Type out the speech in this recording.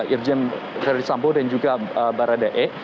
irjen verisampo dan juga baradei